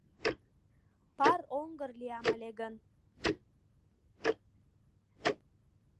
Пар оҥгыр лиям ыле гын